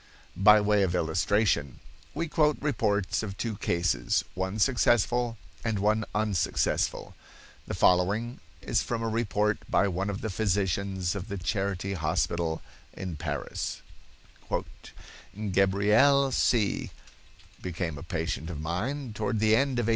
By way of illustration, we quote reports of two cases, one successful and one unsuccessful. The following is from a report by one of the physicians of the Charity hospital in Paris: "Gabrielle C——— became a patient of mine toward the end of 1886.